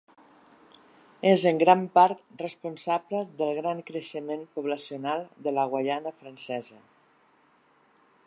És en gran part responsable del gran creixement poblacional de la Guaiana francesa